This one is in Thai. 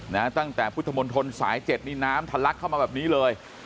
ตั้งแต่พุทธมนตรสายเจ็ดนี่น้ำทะลักเข้ามาแบบนี้เลย